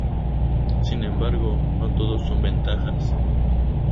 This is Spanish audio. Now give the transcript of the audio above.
Sin embargo, no todo son ventajas.